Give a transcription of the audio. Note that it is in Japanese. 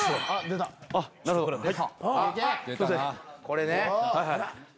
これね。